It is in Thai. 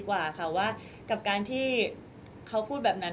มิวยังมีเจ้าหน้าที่ตำรวจอีกหลายคนที่พร้อมจะให้ความยุติธรรมกับมิว